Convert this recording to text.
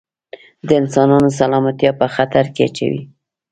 د انسانانو سلامتیا په خطر کې اچوي.